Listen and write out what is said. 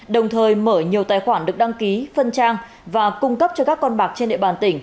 đồng thời mở nhiều tài khoản được đăng ký phân trang và cung cấp cho các con bạc trên địa bàn tỉnh